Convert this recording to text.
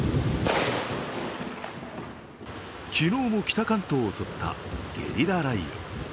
昨日の北関東を襲ったゲリラ雷雨。